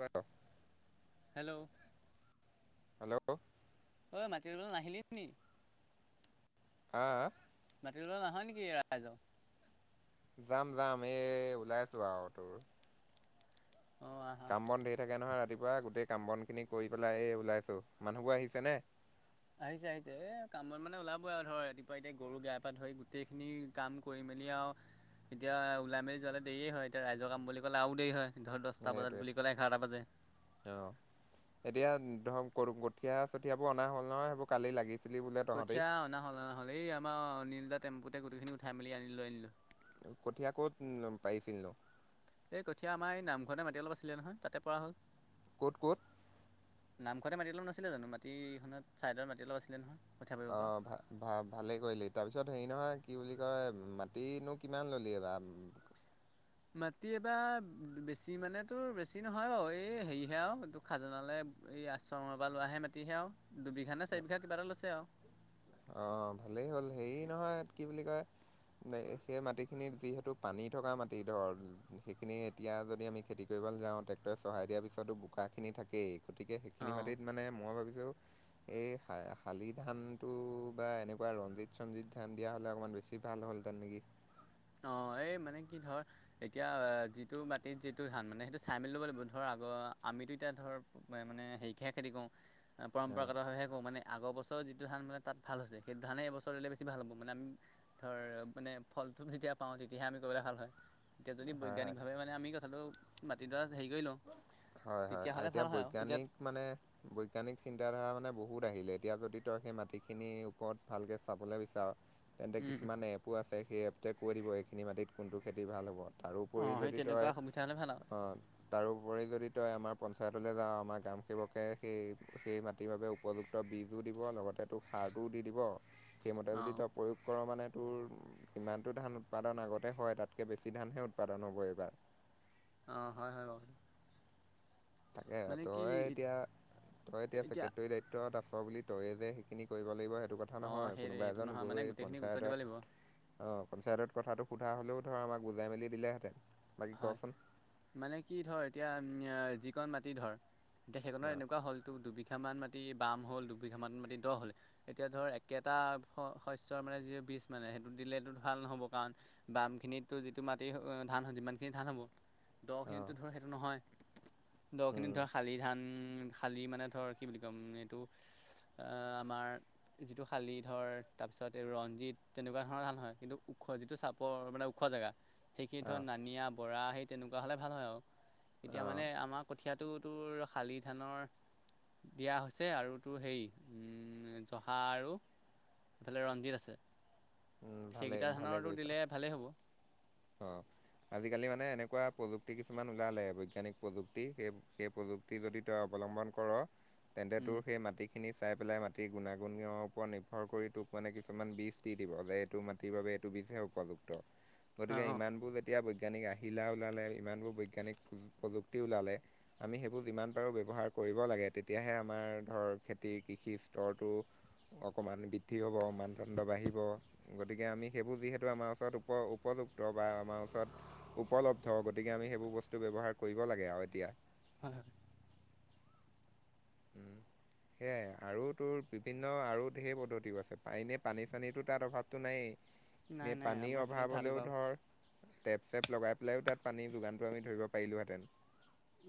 ৱেকাফ hello hello ঐ মাটি নাহিলি নি আ আ মাতি লোৱালে নাহ নেকি ৰাইজৰ যাম যাম এই ওলাই আছো আৰু তোৰ অ আহ কাম বন ধেৰ থাকে নহয় ৰাতিপুৱা গোটেই কাম বনখিনি কৰি পেলাই এই ওলাইছোঁ মানুহবোৰ আহিছেনে আহিছে আহিছে এ কাম বন মানে ওলাবই আৰু ধৰ ৰাতিপুৱা এতিয়া গৰু গা পা ধৰি গোটেইখিনি কাম কৰি মেলি আৰু এতিয়া ওলাই মেলি যোৱালে দেৰিয়ে হয় এতিয়া ৰাইজৰ কাম বুলি ক'লে আৰু দেৰি হয় ধৰ দচটা বজাত বুলি ক'লে এঘাৰটা বাজে অ এতিয়া ধৰ ক কঠীয়া চঠিয়াবোৰ অনা হল নহয় সেইবোৰ কালি লাগিছে কঠীয়া অনা হ'ল অনা হল এই আমাৰ অনিল দা তেম্পুতে গোটেইখিনি উঠাই মেলি আনিলো আনিলোঁ কঠীয়া ক'ত পাৰিছিল নো এই কঠীয়া আমাৰ এই নামঘৰতে মাটি অলপ আছিলে নহয় তাতে পৰা হ'ল ক'ত ক'ত নামঘৰতে মাটি লোৱা নাছিলে জানো মাটি এখনত ছাইডত মাটি অলপ আছিলে নহয় কঠীয়া পাৰিব অ অ পৰা ভা ভা ভালেই কৰিলি তাৰপিছত হেৰি নহয় কি বুলি কয় মাটিনো কিমান ললি এইবাৰ মাটি এবাৰ বেছি মানেতো বেছি নহয় অ এই হেৰিহে আও খাজনালৈ এই আশ্ৰমৰ পৰা লোৱাহে মাটিহে আৰু দুবিঘা নে চাৰি বিঘা কিবা এটা লৈছে আৰু অ ভালেই হ'ল হেৰি নহয় কি বুলি কয় নে সেই মাটিখিনিত যিহেতু পানী থকা মাটি ধৰ সেইখিনি এতিয়া যদি আমি খেতি কৰিবলৈ যাওঁ ট্ৰেক্টৰে চহাই দিয়াৰ পিছতো বোকাখিনি থাকেই গতিকে এইখিনি অঁ মাটিত মানে মই ভাবিছোঁ এই শা শালি ধান টো বা এনেকুৱা ৰঞ্জিত চঞ্জিত ধান দিয়া হ'লে অকনমান বেছি ভাল হেঁতেন নেকি অঁ এই মানে কি ধৰ এতিয়া যিটো মাটিত যিটো ধান মানে সেইটো চাই মেলি ল'ব লাগিব আমিটো এতিয়া ধৰ আগৰ আমিতো এতিয়া ধৰ মই মানে হেৰিকহে খেতি কৰোঁ অঁ পৰম্পৰাগতভাৱহে কৰো মানে আগৰ বছৰ যিটো ধান মানে তাত ভাল হৈছে সেইটো ধানেই এইবছৰ দিলে বেছি ভাল হ'ব মানে আমি ধৰ মানে ফলটোপ যেতিয়া পাওঁ তেতিয়াহে আমি কৰিবলৈ ভাল হয় এতিয়া যদি হয় হয় বৈজ্ঞানিকভাৱে মানে মে আমি [inaudible] মাতিডৰা হেৰি কৰি লওঁ হয় হয় তেতিয়াহ'লে এতিয়া ভাল হয় আৰু এতিয়া বৈজ্ঞানিক মানে বৈজ্ঞানিক চিন্তাধাৰা মানে বহুত আহিলে এতিয়া যদি তই সেই মাটিখিনিৰ ওপৰত ভালকে চাবলে বিচাৰ। তেন্তে কিছুমান এপো আছে সেই এপটোৱে কৈ দিব এইখিনি মাটিত কোনটো খেতি ভাল হ'ব তাৰোপৰি অঁ সেই যদি তেনেকুৱা তই সুবিধা হ'লে ভাল আৰু আহ তাৰোপৰি যদি তই আমাৰ পঞ্চায়তলৈ যাৱ আমাৰ গ্ৰাম সেৱকে সেই সেই মাটিৰ বাবে উপযুক্ত তোক বীজো দিব লগতে তোক সাৰটোও দি দিব সেইমতে যদি অঁ তই প্ৰয়োগ কৰ মানে তোৰ যিমানটো ধান উৎপাদন আগতে হয় তাতকে বেছি ধানহে উৎপাদন হ'ব এইবাৰ অ হয় হয় বাৰু তাকে মানে কি তই এতিয়া তই এতিয়া সেক্ট্ৰেৰী দায়িত্ব ৰত আছ বুলি তয়ে যে সেইখিনি কৰিব লাগিব সেইটো কথা অঁ নহয় সেই কোনোবা সেইটো এজন নহয় মানে গৈ গোটেইখিনি গুৰুত্ব দিব লাগিব পঞ্চায়তত অ পঞ্চায়তত কথাটো সোধা হলেও ধৰ আমাক বুজাই মেলি দিলেহেঁতেন বাকী হয় কচোন মানে কি ধৰ এতিয়া যিকণ মাটি ধৰ এতিয়া সেইকণত অ', এনেকুৱা হ'লতো দুবিঘামান মাটি মাটি বাম হ'ল দুবিঘা মান মাটি দহ হ'ল এতিয়া ধৰ একেটা শস্যৰ মানে যিটো বীজ মানে সেইটো দিলেতো ভাল নহ'ব কাৰণ বামখিনিত তোৰ যিটো মাটি ধান হয় যিমান ধ হ'ব অ', দ'খিনিতটো ধৰ সেইটো নহয় দ'খিনিত উম, ধৰ শালি ধান খালী মানে ধৰ কি বুলি ক'ম এইটো আমাৰ যিটো শালি ধৰ তাৰপিছত এই ৰঞ্জিত তেনেকুৱা ধৰণৰ ধান হয় কিন্তু ওখ যিটো চাপৰ ওপৰ মানে ওখ জেগা সেইখিনি ধৰ অ', নানিয়া বৰা সেই তেনেকুৱা হ'লে ভাল হয় আৰু এতিয়া অ', মানে আমাক কঠীয়াটো তোৰ শালি ধানৰ দিয়া হৈছে আৰু তোৰ হেৰি জহা আৰু এইফালে ৰঞ্জিত আছে উম, ভালেই সেইকেইটা ভালেই ধানৰতো কৰিছ। দিলে ভালেই হ'ব অ আজিকালি মানে এনেকুৱা প্ৰযুক্তি কিছুমান ওলালে বৈজ্ঞানিক প্ৰযুক্তি সেই সেই প্ৰযুক্তি যদি তই অৱলম্বন কৰ তেন্তে তোৰ সেই মাটিক খিনি চাই পেলাই মাটিৰ গুণাগুণৰ ওপৰত নিৰ্ভৰ কৰি তোক মানে কিছুমান বীজ দি দিব যে এইটো মাটি সেই বাবে এইটো বিজহে উপযুক্ত গতিকে অঁ ইমানবোৰ যেতিয়া বৈজ্ঞানিক আহিলা ওলালে ইমানবোৰ বৈজ্ঞানিক প্ৰযুক্তি ওলালে আমি সেইবোৰ যিমান পাৰোঁ ব্যৱহাৰ কৰিব লাগে তেতিয়াহে আমাৰ ধৰ খেতিৰ কৃষি স্তৰটো অকণমান বৃদ্ধি হ'ব মানদণ্ড বাঢ়িব গতিকে আমি সেইবোৰ যিহেতু আমাৰ ওচৰত উপ উপযুক্ত বা আমাৰ ওচৰত উপলব্ধ গতিকে আমি সেইবোৰ বস্তু ব্যৱহাৰ কৰিব লাগে আৰু এতিয়া হয় হয় উম, [inaudible] সেয়াই আৰু তোৰ বিভিন্ন আৰু ঢেৰ পদ্ধতিও আছে এনেই পানী চানীটো তাত অভাৱটো নায়েই নাই নে নাই পানীৰ আমাৰখিনিত অভাৱ ভাল হ'লেও বাৰু ধৰ টেপ চেপ লগাই পেলাইও তাত পানী যোগানটো আমি ধৰিব পাৰিলোহেতেন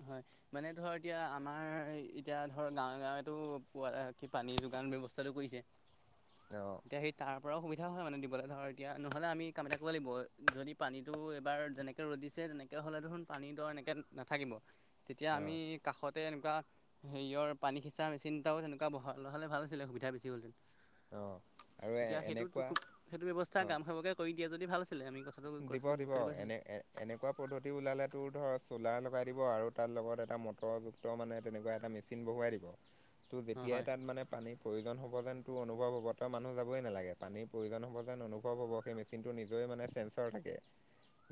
হয় মানে ধৰ এতিয়া আমাৰ এতিয়া ধৰ গাঁৱে গাঁৱেতো পানী যোগান ব্যৱস্থাটো কৰিছে [inaudible] অ সেই তাৰ পৰাও সুবিধা হয় মানে দিবলৈ ধৰক এতিয়া নহ'লে আমি কাম এটা কৰিব লাগিব যদি পানীটো এবাৰ যেনেকৈ ৰ'দদিছে তেনেকে হ'লে দেখোন ন পানী দৰ এনেকৈ নাথাকিব তেতিয়া আমি অ', কাষতে এনেকুৱা হেৰিয়ৰ পানী মেচিন এনটাও তেনেকুৱা বহা হালে ভাল হৈছিলে সুবিধা বেছি হ'লহঁতেন অ'। আৰু এতিয়া সেইটো এনেকুৱা খুব সেইটো ব্যৱস্থা অ' গ্ৰাম সেৱকে কৰি দিয়ে যদি ভাল আছিলে আমি কথা দিব দিব এনে এ এনেকুৱা পদ্ধতি ওলালে তোৰ ধৰক চ'লাৰ লগাই দিব আৰু তাৰ লগত এটা মটৰ দ মানে তেনেকুৱা এটা মেচিন বহুৱাই দিব ত' অঁ যেতিয়াই হয় তাত মানে পানীৰ প্ৰয়োজন হ'ব যেন তোৰ অনুভৱ হ'ব তই মানুহ যাবই নালাগে পানীৰ প্ৰয়োজন হ'ব যেন অনুভৱ হ'ব সেই মেচিনটো নিজৰে মানে [unintelligible]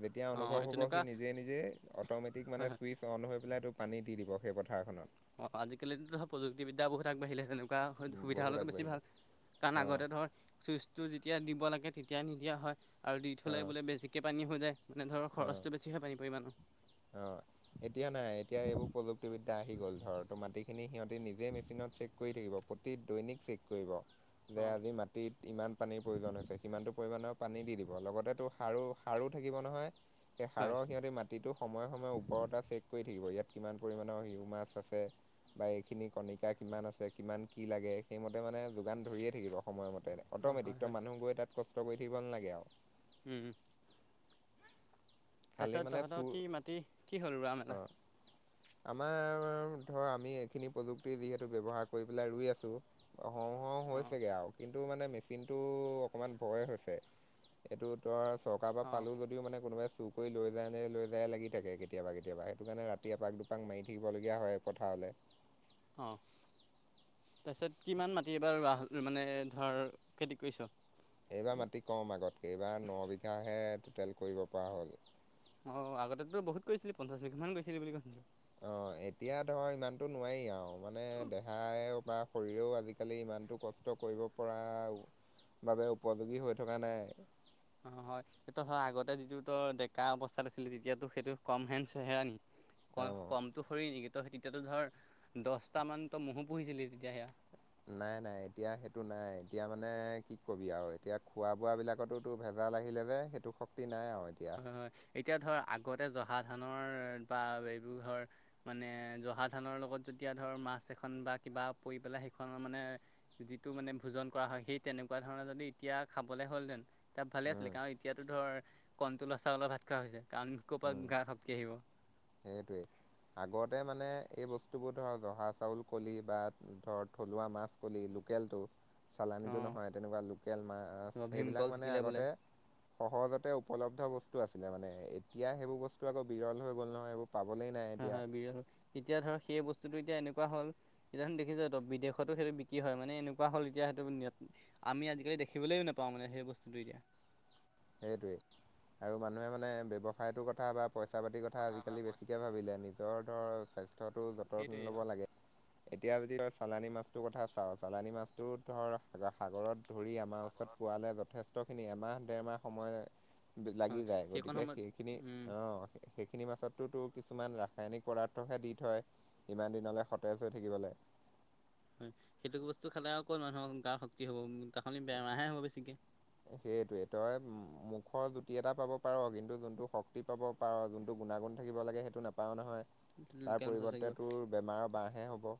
যেতিয়া অঁ অনুভৱ হব তেনেকুৱা সি হয় নিজে নিজে অটমেটিক মানে হয় চুইচ অন হৈ পেলাই তোক পানী দি দিব সেই পথাৰখনত অ আজিকালিতো ধৰ প্ৰযুক্তিবিদ্যা বহুত আগবাঢ়িলে [unintelligible] থকা সুবিধা বহুত হ'লেতো বেছি আগবাঢ়িলে ভাল কাৰণ অ', আগতে ধৰ ছুইচটো যেতিয়া দিব লাগে তেতিয়া নিদিয়া হয় আৰু দি থ'লে অ', বোলে বেছিকৈ পানী হৈ যায় মানে ধৰ অ'। খৰছটো বেছি হয় পানী পৰিমাণৰ অ এতিয়া নাই এতিয়া এইবোৰ প্ৰযুক্তিবিদ্যা আহি গ'ল ধৰ তো মাটিখিনি সিহঁত সি নিজেই মেচিত চেক কৰি থাকিব প্ৰতি দৈনিক চেক কৰিব অঁ তিত ইমান পানীৰ প্ৰয়োজন হৈছে সিমানটো পৰিমাণৰ পানী দি দিব লগতে তোৰ সাৰো সাৰো থাকিব নহয় সেই হয় সাৰৰ সিহঁতি মাটিটো সময়ে সময়ে উৰ্বৰতা চেক কৰি থাকিব ইয়াত কিমান পৰিমণৰ হিউমাছ আছে বা এইখিনি কণিকা কিমান আছে কিমান কি লাগে সেইমতে মানে যোগান ধৰিয়ে থাকিব সময়মতে অঁ হয় অট'মেটিকটো হয় মানুহ গৈ তাত কষ্ট কৰি থাকিব নালাগে আৰু উম উম খালী তাৰপিছত মানে তহঁতৰ চুৰ কি মাটি কি সৰু ৰুৱা অ' মেলা আমাৰ ধৰ আমি এইখিনি প্ৰযুক্তি যিহেতু ব্যৱহাৰ কৰি পেলাই ৰুই আছো হওঁ হওঁ অঁ হৈছেগে আৰু কিন্তু মানে মেচিনটো অকণমান ভয় হৈছে এইটো তই চৰকাৰৰ পৰা অঁ পালোঁ যদি মানে কোনোবাই চুৰ কৰি লৈ যায় নে লৈ যায় লাগি থাকে কেতিয়াবা কেতিয়াবা সেইটো কাৰণে ৰাতি এপাক এপাক মাৰি থাকিবলগীয়া হয় পথাৰলৈ অঁ তাৰপিছত কিমান মাটি এবাৰ মানে ধৰ খেতি কৰিছ এইবাৰ মাটি কম আগতকৈ এইবাৰ ন বিঘাহে টুটেল কৰিব পৰা হ'ল অঁ আগতেতো বহুত কৰিছিল পঞ্চাছ বিঘা মান কৰিছিলি বুলি শুনিছো। অ এতিয়া ধৰ ইমানতো নোৱাৰি আৰু মানে দেহায় বা শৰীৰেও আজিকালি ইমানতটো কষ্ট। [unintelligible] কৰিব পৰা বাবে উপযোগী হৈ থকা নাই অ হয় সেইটো হয় আগতে যিটো ত ডেকা অৱস্থাত আছিলে তেতিয়াত সেইটো কম হেন হেৰা ন অকণ অঁ। কমটো সৰি নেকি তো তেতিয়াতো ধৰ দহটামানতো মহো পুহিছিলি তেতিয়া সেয়া নাই নাই এতিয়া সেইটো নাই এতিয়া মানে কি কবি আৰু এতিয়া খোৱা বোৱা বিলাকতো। টো ভেজাল আহিলে যে সেইটো শক্তি নাই আৰু এতিয়া হয় হয় এতিয়া ধৰ আগতে জহা ধানৰ বা এইবোৰ ধৰ মানে জহা ধানৰ লগত যেতিয়া ধৰ মাছ এখন বা কিবা পৰি পেলাই সেইখনৰ মানে যিটো মানে ভোজন কৰা হয় সেই তেনেকুৱা ধৰণৰ যদি এতিয়া খাবলে হ'লহেতেন তাত ভালে আছিলে উম কাৰণ এতিয়াতো ধৰ কণ্ট্ৰলৰ চাউলৰ ভাত খোৱা হৈছে কাৰণ ক'ৰ পৰা উম গাৰ শক্তি আহিব। [inaudible] সেইটোৱেই। [inaudible] আগতে মানে এই বস্তুবোৰ ধৰ জহা চাউল কলি বা ধৰ থলুৱা মাছ [inaudible] কলি লোকেলটো চালানিটো নহয় অঁ তেনেকুৱা লোকেল মাছ সেইবিলাক ভীমকল মানে থাকিলে বোলে আগতে [inaudible] সহজতে উপলব্ধ বস্তু আছিলে মানে। এতিয়া সেইবোৰ বস্তু আকৌ বিৰল হৈ গল নহয় এইবোৰ। [inaudible] পাবলেই নাই। [inaudible] হয়-হয় [unintelligible] এতিয়া ধৰ সেই বস্তুটো এতিয়া এনেকুৱা হ'ল [inaudible] এতিয়া দেখিছ ত‌ই বিদেশতো সেইটো বিক্ৰী হয় মানে এনেকুৱা হ'ল এতিয়া সেইটো [inaudible] আমি আজিকালি দেখিবলৈও নাপাওঁ মানে সেই বস্তুটো এতিয়া। [inaudible] সেইটোৱেই আৰু মানুহে মানে ব্যৱসায়টোৰ কথা বা [inaudible] পইচা পাতিৰ কথা আজিকালি বেছিকৈ ভাবিলে। নিজৰ ধৰ স্বাস্থ্যটো সেইটোৱে যতন আৰু ল'ব লাগে [inaudible] এতিয়া যদি ত‌ই চালানী মাছটোৰ কথা চাওঁ চালানী মাছটো ধৰ সাগৰত [inaudible] ধৰি আমাৰ ওচৰত পোৱালে যথেষ্টখিনি। এমাহ, দেৰমাহ সময় [inaudible] হয় লাগি যায়। সেইকণ গতিকে সময়ত সেইখিনি উম অঁ [inaudible] সেইখিনি মাছত তোৰ কিছুমান ৰাসায়নিক পদাৰ্থহে দি থয়। [unintelligible] ইমান দিনলৈ সতেজ হৈ থাকিবলৈ। [inaudible] হয় [inaudible] সেইটো বস্তু খালে আকৌ ক'ত মানুহৰ গাৰ শক্তি হ'ব তাৰ সলনি বেমাৰহে হ'ব বেছিকে। সেইটোৱেই তই মুখৰ জুতি এটা পাব পাৰ কিন্তু যোনটো শক [inaudible] পাব পাৰ যোনটো গুণাগুণ থাকিব লাগে সেইটো নাপাওঁ নহয়। তাৰ লোকেল মাছত থাকিব পৰিৱৰ্তে তোৰ [inaudible] বেমাৰৰ বাঁহে হ'ব। [inaudible]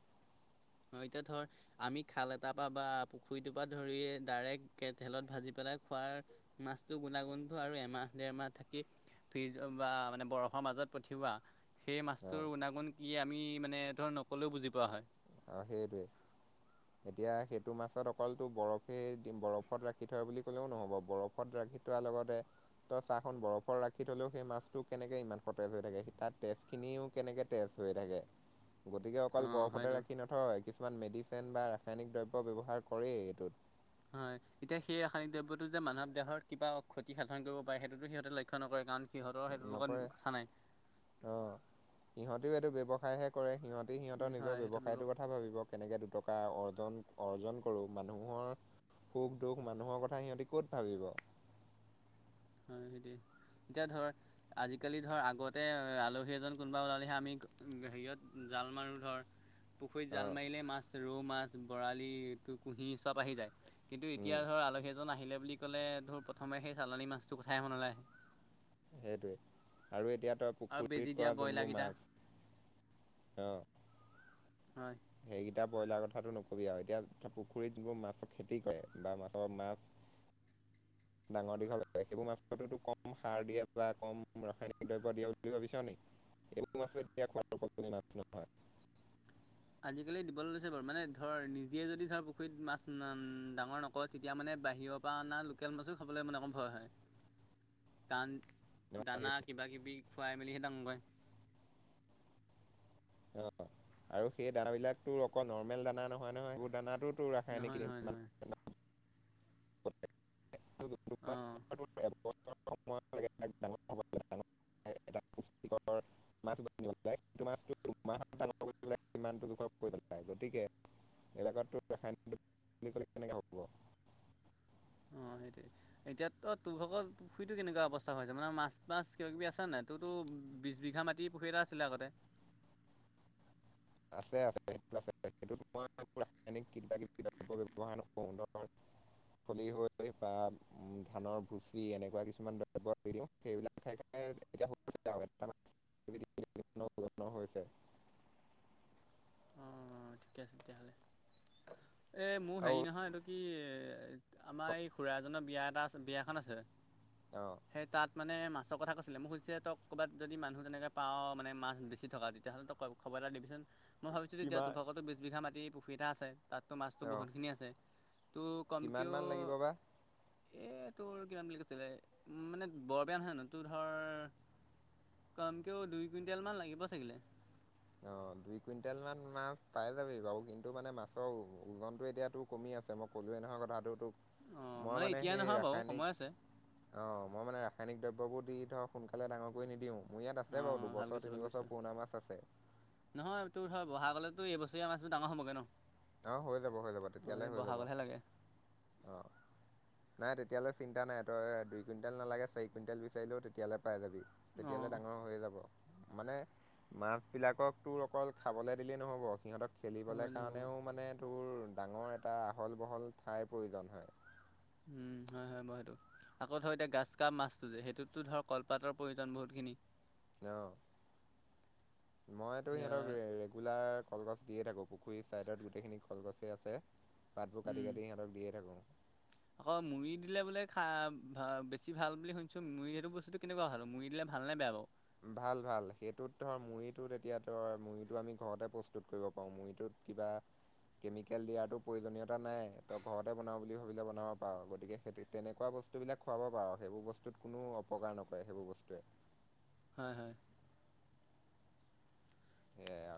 হয় এতিয়া ধৰ [inaudible] আমি খাল এটাৰ পৰা বা পুখুৰীটোৰ পৰা ধৰি ডাইৰেক্ট তেলত ভাজি পেলাই খোৱাৰ [unintelligible] মাছটোৰ গুণাগুণটো আৰু এমাহ, ডেৰমাহ থাকি [inaudible] ফ্ৰিজ বা মানে বৰফৰ মাজত পঠিওৱা [inaudible] সেই মাছটোৰ গুণাগুণ কি আমি মানে ধৰ নক'লেও বুজি পোৱা হয়। [inaudible] অঁ! সেইটোৱেই। [inaudible] [inaudible] এতিয়া সেইটো মাছত অকল তোৰ বৰফেই দি বৰফত ৰাখি থয় বুলি ক'লেও নহ'ব বৰফ [inaudible] [inaudible] ফত ৰাখি থোৱাৰ লগতে ত‌ই চা চোন বৰফত ৰাখি থলেও সেই মাছটো কেনেকে ইমান সতেজ হৈ থাকে, তাত তেজখিনিও কেনেকে [inaudible] তেজ হৈ থাকে। [inaudible] [inaudible] গতিকে অকল অ' বৰফতে হয়তো ৰাখি নথয়। কিছুমান মেডিচিন বা ৰাসায়নিক দ্ৰব্য ব্যৱহাৰ কৰেই এইটোত। [inaudible] হয় এতিয়া সেই ৰাসায়নিক দ্ৰব্যটো যে মানৱ দেহৰ কিবা ক্ষতি সাধন কৰিব পাৰে সেইটোতো সিহঁতে লক্ষ্য নকৰে। কাৰণ [inaudible] সেইটোৰ লগত নকৰে। কথা নাই অঁ! সিহঁতেও এইটো ব্যৱসায় হে কৰে সিহঁতে [unintelligible] [unintelligible] সিহঁতৰ হয় নিজৰ সেইটো ব্যৱহাৰ ব্যৱসায়টোৰ কথা ভাবিব কেনেকে দুটকা অৰ্জন-অৰ্জন কৰো মানুহৰ [inaudible] সুখ, দুখ মানুহৰ কথা সিহঁতি ক'ত ভাবিব। [inaudible] হয়, সেইটোৱেই। এতিয়া ধৰ [inaudible] আজিকালি ধৰ আগতে আলহী এজন কোনোবা ওলালেহে আমি হেৰিয়ত জাল মাৰোঁ ধৰ। [inaudible] পুখুৰীত জাল মাৰিলে মাছ ৰৌ মাছ, বৰালি [inaudible] কুঁহি চব আহি যায়। কিন্তু এতিয়া উম ধৰ আলহী এজন আহিলে বুলি ক'লে ধৰ প্ৰথমে সেই চালানী মাছটো কথাই মনলৈ আহে। [inaudible] সেইটোৱেই। আৰু এতিয়া তই আৰু বেজি পুখুৰীত দিয়া কৰা যোনবোৰ ব্ৰইলাৰকেইটা মাছ অঁ! [inaudible] হয়। [inaudible] সেইকেইটা ব্ৰইলাৰ কথাটো নকবি আৰু এতিয়া পুখুৰীত যোনবোৰ মাছৰ খেতি কৰে বা মাছৰ মাছ [inaudible] ডাঙৰ-দীঘল কৰে। [inaudible] সেইবোৰ মাছটো কম সাৰ দিয়ে বা কম ৰাসায়নিক দ্ৰব্য দিয়ে বুলি ভাবিছ নি? [inaudible] [unintelligible] আজিকালি দিবলৈছে বাৰু মানে ধৰ নিজে যদি ধৰ পুখুৰীত মাছ ডাঙৰ নক মই তেতিয়া মানে বাহিৰৰ পৰা অনা লোকেল মাছো খাবলৈ মানে অণন কণ ভয় হয়। কাৰণ দানা কিবা কিবি খুৱাই মেলিহে ডাঙ কয়ে। অ আৰু সেই দানাবিলাক তোৰ অকল নৰ্মেল দানা নহয় নহয় সেইবোৰ দানা তোৰ নহয় ৰাসায়নিক নহয় নহয় অঁ [unintelligible] [unintelligible] [unintelligible] গতিকে [unintelligible] বুলি কলে কেনেকে হ'ব। অ সেইটোৱে। এতিয়তো তোৰ ভক পুখুৰীটো কেনেকুৱা অৱস্থা হৈছে? মানে মাছ মাছ কিবা কিবি আছেনে নাই? তোৰতো বিছ বিঘা মাটি পুখুৰী এটা আছিলে আগতে। আছে আছে সেই আ সেইটোত মই ৰাসায়নিক কিবা কিবি দ্ৰৱ ব্যৱহাৰ নকৰো [unintelligible] [unintelligible] বা ধানৰ ভুচি এনেকুৱা কিছুমান দ্ৰৱ সেইবিলাক [unintelligible] [unintelligible] ওজনৰ হৈছে অ ঠিকে আছে তেতিয়াহ'লে। এই মোৰ আৰু হেৰি নহয় এইটো কি আমাৰ ক- এই খুডৰা এজনৰ বিয়া এটা আছে বিয়াখন আছে। অ। সেই তাত মানে মাছৰ কথা কৈছিলে। মই কৈছো তক ক'ৰবাত যদি মনুহ তেনেকে পাওঁ মানে মাছ বেছি থকা তেতিহ'লে তোক ক খবৰ এটা দিবিচোন। মই ভাবিছোঁ যে এতিয়া কিমা তোৰভাগত বিছ বিঘা মাটি পুখী এটা আছে, তাতো মাছটো অঁ বহুতখিনি আছে তোৰ কম কিমান কেও মান লাগিব বা এই তোৰ কিমান বুলি কৈছিলে? মানে বৰবিয়া নহয় নো তোৰ ধৰ কম কেও দুই কুইণ্টেলমান লাগিব চাগিলে। অ দুই কুইণ্টেল মান মাছ পাই যাবি বাৰু কিন্তু মানে মাছৰ ওজনতটো এতিয়াতো কমি আছে মোক ক'লোৱে নহয় কথাটো তোক। অঁ মই মানে এতিয়া সেই নহয় বাৰু ৰাসায়নিক সময় আছে অ মই মানে ৰাসায়নিক দ্ৰব্যবোৰ দি ধৰক সোনকালে ডাঙৰক নিদিওঁ, মোৰ ইয়াত আছে বাৰু অঁ ভাল দুবছৰ কৰিছ ভাল কৰিছ তিনিবছৰ পুৰণা মাছ আছে। নহয় তোৰ ধৰ বহাগলেতো এই বছৰীয়া মাছবোৰ ডাঙৰ হ'বগৈ ন। অ হৈ যাব, হৈ যাব, অঁ তেতিয়ালৈ এই হৈ যাব। বহাগলৈহে লাগে অঁ [unintelligible] নাই তেতিয়ালৈ চিন্তা নাই, তই দুই কুইণ্টেল নালাগে চাৰি কুইণ্টেল বিচাৰিলেও তেতিয়ালৈ পাই যাবি। অঁ তেতিয়াললে ডাঙৰ নহ'ব হৈয়ে যাব। মানে মাছ বিলাকক তোৰ অকল খাবলে দিলেই নহ'ব সিহঁতক খেলিবলৈ কাৰণেও মানে, তোৰ ডাঙৰ এটা আহল-বহল ঠাইৰ প্ৰয়োজন হয়। উম হয় হয় বাৰু সেইটো। আকৌ ধৰ এতিয়া গাজ কাপ মাছটো যে সেইটোতো ধৰ কলপাতৰ প্ৰয়োজন বহুতখিনি অ। মইতো এতিয়া সিহঁতক ৰেগুলাৰ কলগছ দিয়ে থাকো। পুখুৰীৰ চাইডত গোটেইখিনি কলগছে আছে। পাতটো কাটি উম কাটি সিহঁতক দিয়ে থাকো। আকৌ মুড়ি দিলে বোলে খা বেছি ভাল বুলি শুনিছোঁ। মুড়ি সেইটো বস্তুটো কেনেকুৱা ভাল? মুড়ি দিলে ভালনে বেয়া বাৰু? ভাল ভাল। সেইটোত ধৰ মুড়িটোত তেতিয়া তই মুড়িটো আমি ঘৰতে প্ৰস্তুত কৰিব পাৰোঁ মুড়িটোত কিবা কেমিকেল দিয়াৰো প্ৰয়োজনীয়তা নাই। তই ঘৰতে বনাওঁ বুলি ভাবিলে বনাব পাৰ। গতিকে তেনেকুৱা বস্তু বস্তুবিলাক খুৱাব পাৰো, সেইবোৰ বস্তুত কোনো অপকাৰ নকৰে সেইবোৰ বস্তুৱে। হয়, হয়। সেয়াই আও